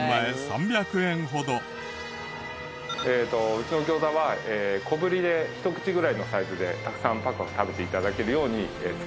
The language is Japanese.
うちの餃子は小ぶりでひと口ぐらいのサイズでたくさんパクパク食べて頂けるように作ってます。